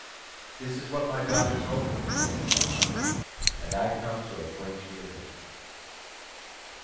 This is what my daughter told me," said the farmer, "and I come to acquaint you with it."